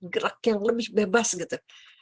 gerak yang lebih bebas gitu